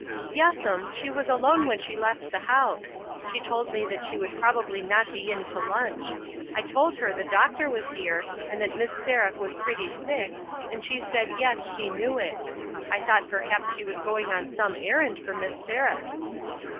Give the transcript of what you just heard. " Yes'm ; she was alone when she left the house ; she told me that she would probably not be in to lunch. I told her the doctor was here, and that Miss Seraph was pretty sick, and she said yes, she knew it ; I thought perhaps she was going on some errand for Miss Seraph."